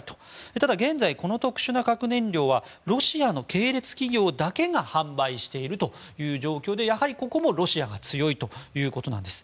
ただ現在、この特殊な核燃料はロシアの系列企業だけが販売している状況でここもロシアが強いということなんです。